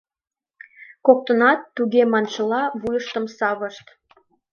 Коктынат “туге” маншыла вуйыштым савышт.